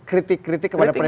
kritik kritik kepada presiden